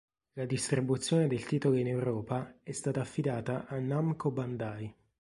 La distribuzione del titolo in Europa è stata affidata a Namco Bandai.